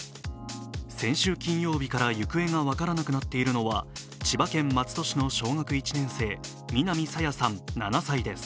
先週金曜日から行方が分からなくなっているのは千葉県松戸市の小学１年生南朝芽さん、７歳です。